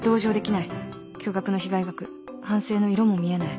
巨額の被害額反省の色も見えない